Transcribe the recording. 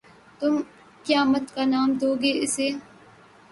تم قیامت کا نام دو گے اِسے